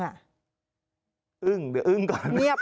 วงเดี๋ยววงก่อน